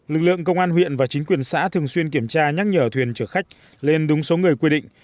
lực lượng công an huyện và chính quyền xã thường xuyên kiểm tra nhắc nhở thuyền chở khách lên đúng số người quy định